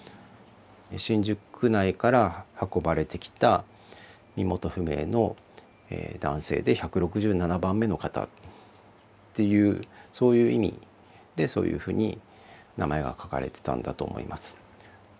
新宿区内から運ばれてきた身元不明の男性で１６７番目の方っていうそういう意味でそういうふうに名前が書かれてたんだと思います。